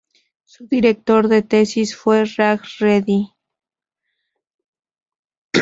Su director de tesis fue Raj Reddy.